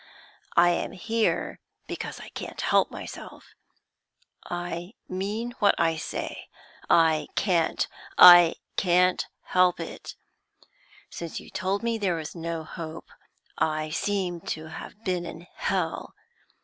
I am here because I can't help myself; I mean what I say I can't, I can't help it! Since you told me there was no hope, I seem to have been in hell.